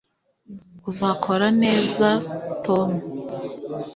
uzakora neza, tom